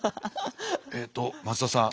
えっと松田さん